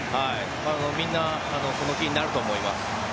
みんなその気になると思います。